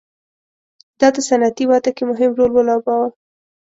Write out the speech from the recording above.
دا د صنعتي وده کې مهم رول ولوباوه.